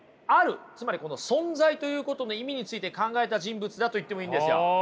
つまり「存在」ということの意味について考えた人物だと言ってもいいんですよ。